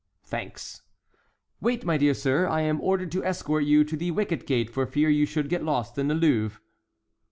"Thanks." "Wait, my dear sir, I am ordered to escort you to the wicket gate for fear you should get lost in the Louvre."